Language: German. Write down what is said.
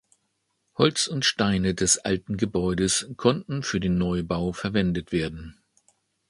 Holz und Steine des alten Gebäudes konnten für den Neubau verwendet werden.